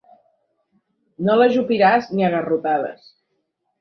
No l'ajupiràs ni a garrotades.